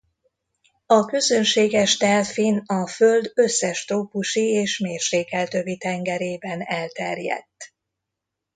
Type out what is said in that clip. A közönséges delfin a Föld összes trópusi és mérsékelt övi tengerében elterjedt.